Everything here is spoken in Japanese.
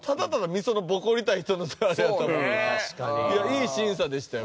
いい審査でしたよ